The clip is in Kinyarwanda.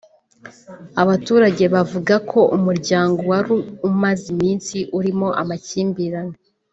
Abaturage bavuga ko umuryango wari umaze iminsi urimo amakimbirane